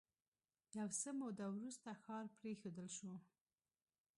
یو څه موده وروسته ښار پرېښودل شو